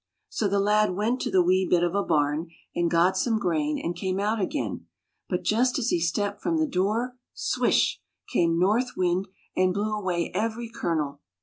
So the lad went to the wee bit of a barn and got some grain and came out again. But just as he stepped from the door — swish — came North Wind and blew away every kernel.